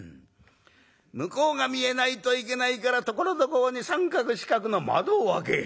「向こうが見えないといけないからところどころに三角四角の窓をあけ